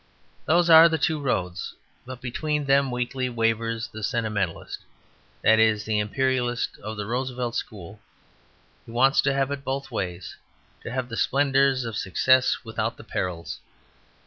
Those are the two roads. But between them weakly wavers the Sentimentalist that is, the Imperialist of the Roosevelt school. He wants to have it both ways, to have the splendours of success without the perils.